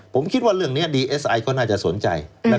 ผมคิดว่าเรื่องนี้ดีเอสไอก็น่าจะสนใจ